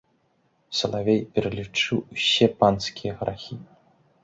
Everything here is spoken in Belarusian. Салавей пералічыў усе панскія грахі.